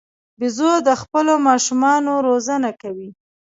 بیزو د خپلو ماشومانو روزنه کوي.